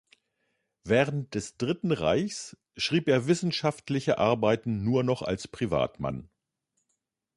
Während des „Dritten Reichs“ schrieb er wissenschaftliche Arbeiten nur noch als Privatmann.